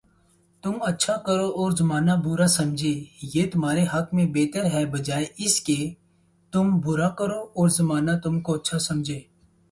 تم اچھا کرو اور زمانہ برا سمجھے، یہ تمہارے حق میں بہتر ہے بجائے اس کے تم برا کرو اور زمانہ تم کو اچھا سمجھے